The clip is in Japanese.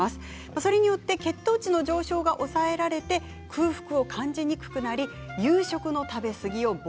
それによって血糖値の上昇が抑えられて空腹を感じにくくなり夕食の食べ過ぎを防止できるんです。